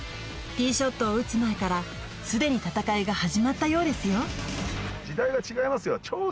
ティーショットを打つ前から既に戦いが始まったようですよ